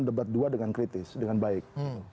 debat dua dengan kritis dengan baik